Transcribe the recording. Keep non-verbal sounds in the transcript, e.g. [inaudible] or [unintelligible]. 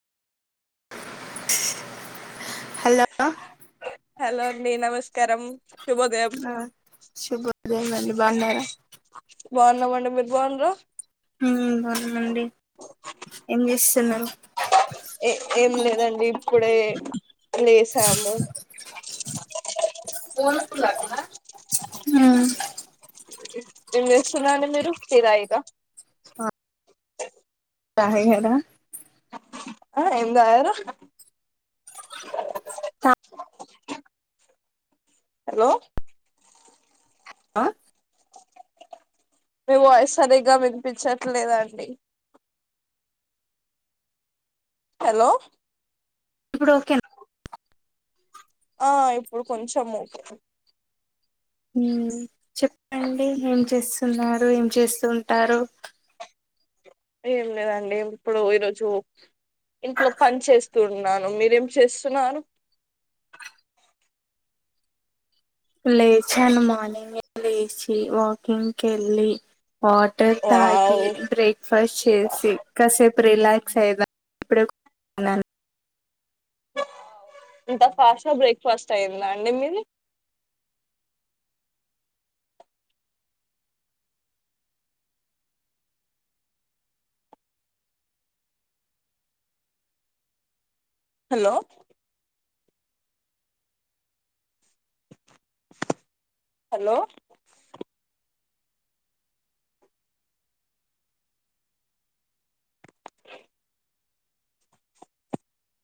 Hello hello అండి నమస్తే తరం ఆ శుబోదయం అండి బాగున్నరా బాగున్నాం అంటె మీరు బాగున్నారా ఏం చేస్తున్నారు ఏ ఏం లేదండి ఇప్పుడే లేసాము హ్ ఏం చేస్తున్నారండి మీరు టి తగిర్ర [unintelligible] ఆ ఎం తగారు హలో ఆ మీ వాయిస్ సరిగ్గా వినిపించట్లేదండి. హలో ఇప్పుడు ఓకే నా ఆ ఇప్పుడు కొంచెం ఒకే చెప్పండి ఏం చేస్తున్నారు ఏం చేస్తుంటారు. ఏం లేదండి ఇప్పుడు ఈరోజు ఇంట్లో పని చేస్తూ ఉన్నాను మీరేం చేస్తున్నారు లేచను మార్నింగ్ లేచి వాకింగ్కి ఏళ్ళి వాటర్ తాగి వావ్ బ్రేక్ఫాస్ట్ చేసి కసేపు రిలాక్స్ అయిదా ఇప్పుడే ఉన్నాను వావ్ ఇంత ఫాస్ట్గా బ్రేక్ఫాస్ట్ అయిందా అండి మీది అ హలో హలో